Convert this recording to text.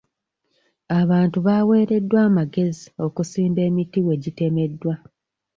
Abantu baaweereddwa amagezi okusimba emiti we gitemeddwa.